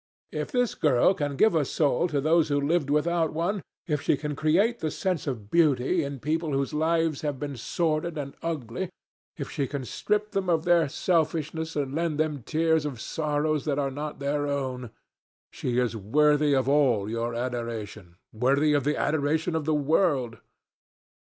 If this girl can give a soul to those who have lived without one, if she can create the sense of beauty in people whose lives have been sordid and ugly, if she can strip them of their selfishness and lend them tears for sorrows that are not their own, she is worthy of all your adoration, worthy of the adoration of the world.